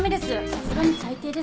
さすがに最低です。